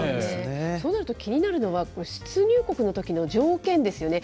そうなると気になるのが、出入国のときの条件ですよね。